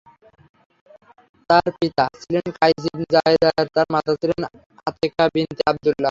তার পিতা ছিলেন কাইস ইবনে যায়েদ আর মাতা ছিলেন আতেকা বিনতে আবদুল্লাহ।